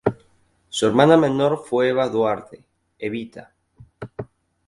Su hermana menor fue Eva Duarte, "Evita".